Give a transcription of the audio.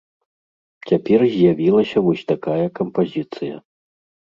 Цяпер з'явілася вось такая кампазіцыя.